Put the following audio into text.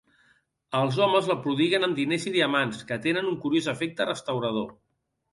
Els homes la prodiguen amb diners i diamants, que tenen un curiós efecte restaurador.